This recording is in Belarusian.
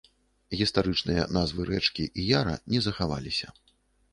Гістарычныя назвы рэчкі і яра не захаваліся.